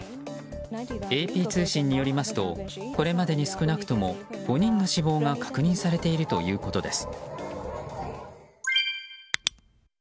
ＡＰ通信によりますとこれまでに少なくとも５人の死亡が確認されているということです。